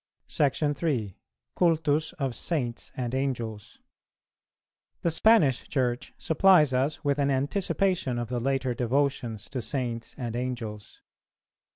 "[410:1] § 3. Cultus of Saints and Angels. The Spanish Church supplies us with an anticipation of the later devotions to Saints and Angels.